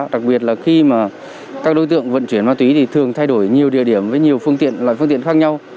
đặc biệt là khi các đối tượng vận chuyển ma túy thì thường thay đổi nhiều địa điểm với nhiều loại phương tiện khác nhau